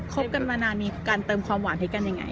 บกันมานานมีการเติมความหวานให้กันยังไง